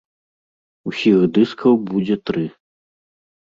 Усіх дыскаў будзе тры.